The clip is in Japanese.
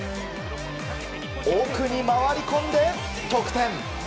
奥に回り込んで得点！